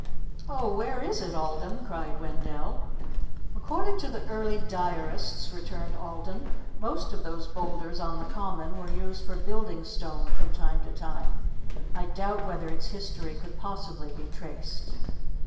"Oh, where is it, Alden?" cried Wendell. "According to the early diarists," returned Alden, "most of those boulders on the Common were used for building stone from time to time. I doubt whether its history could possibly be traced."